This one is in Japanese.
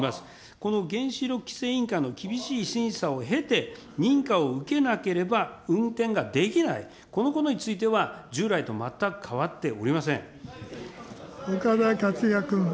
この原子力規制委員会の厳しい審査を経て、認可を受けなければ運転ができない、このことについては、従来と岡田克也君。